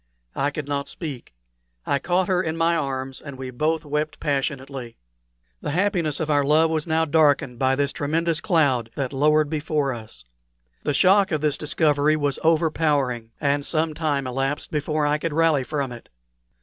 I could not speak. I caught her in my arms, and we both wept passionately. The happiness of our love was now darkened by this tremendous cloud that lowered before us. The shock of this discovery was overpowering, and some time elapsed before I could rally from it.